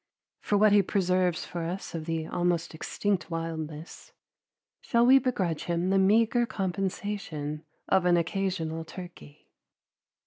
For what he preserves for us of the almost extinct wildness, shall we begrudge him the meagre compensation of an occasional turkey?